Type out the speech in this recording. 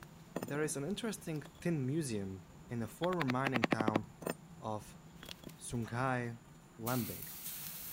There is an interesting Tin Museum in the former mining town of Sungai Lembing.